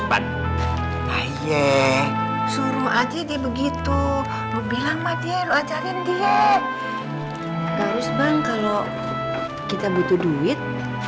pak ayek suruh aja dia begitu bilang madya lu ajarin dia harus bang kalau kita butuh duit